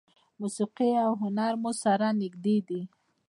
موسیقي او هنر مو سره نږدې دي.